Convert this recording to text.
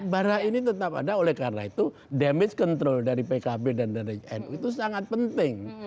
bara ini tetap ada oleh karena itu damage control dari pkb dan dari nu itu sangat penting